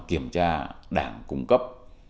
kiểm tra đảng cung cấp